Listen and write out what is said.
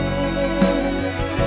setelah di eens tanah